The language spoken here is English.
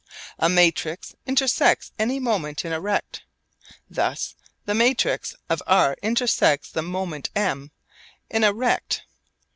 A matrix intersects any moment in a rect. Thus the matrix of r intersects the moment M in a rect ρ.